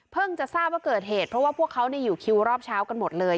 จะทราบว่าเกิดเหตุเพราะว่าพวกเขาอยู่คิวรอบเช้ากันหมดเลย